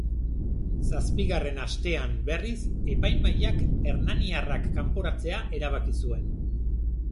Zazpigarren astean, berriz, epaimahaiak hernaniarrak kanporatzea erabaki zuen.